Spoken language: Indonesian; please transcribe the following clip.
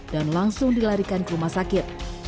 dan langsung dilarikan ke rumah sakit